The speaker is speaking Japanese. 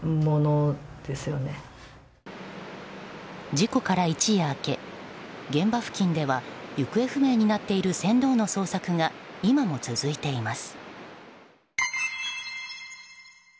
事故から一夜明け現場付近では行方不明になっている船頭の捜索が今も続いています。